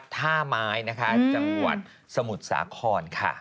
จังหวัดสมุทรสาครค่ะ